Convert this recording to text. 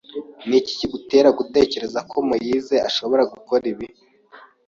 Niki kigutera gutekereza ko Moise ashobora gukora ibi?